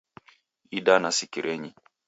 Idana sikirenyi